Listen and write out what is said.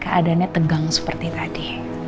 keadaannya tegang seperti tadi